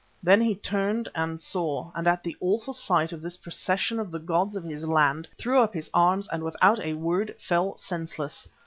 Then he turned and saw, and at the awful sight of this procession of the gods of his land, threw up his arms, and without a word fell senseless.